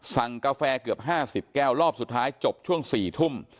กาแฟเกือบ๕๐แก้วรอบสุดท้ายจบช่วง๔ทุ่ม